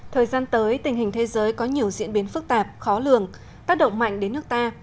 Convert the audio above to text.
thời gian tới tình hình thế giới có nhiều diễn biến phức tạp khó lường tác động mạnh đến nước ta